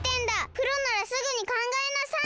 プロならすぐにかんがえなさい！